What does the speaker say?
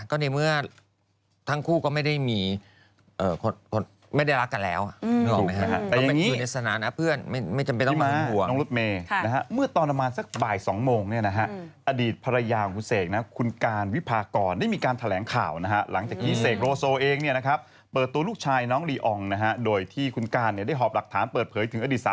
ก็ในเมื่อทั้งคู่ก็ไม่ได้รักกันแล้ว